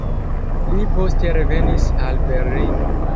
Li poste revenis al Berlino.